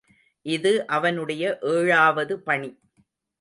இது அவனுடைய ஏழாவது பணி.